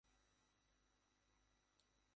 তার আরেকটি চাচা কেন কুইন্সল্যান্ড এর হয়ে খেলেছেন।